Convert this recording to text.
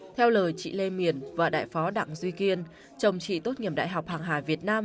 theo lời chị lê miền vợ đại phó đặng duy kiên chồng chị tốt nghiệm đại học hàng hà việt nam